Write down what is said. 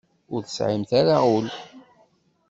Ur tesɛimt ara ul.